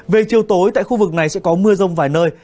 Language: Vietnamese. về chiều tối tại khu vực này sẽ có mưa rông vài nơi